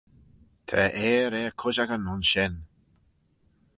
Ta airh er cushagyn ayns shen